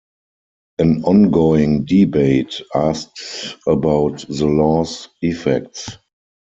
An ongoing debate asks about the law's effects.